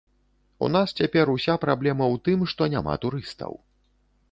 У нас цяпер уся праблема ў тым, што няма турыстаў.